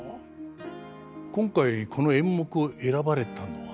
今回この演目を選ばれたのは？